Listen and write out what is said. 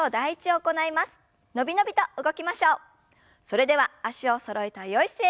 それでは脚をそろえたよい姿勢。